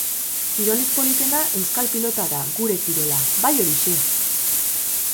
Kirolik politena, euskal pilota da, gure kirola. Bai horixe!